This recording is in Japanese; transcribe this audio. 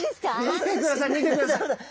見てください見てください！